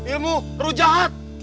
ilmu ruh jahat